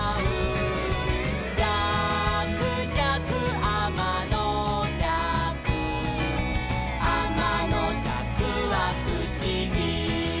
「じゃくじゃくあまのじゃく」「あまのじゃくはふしぎ」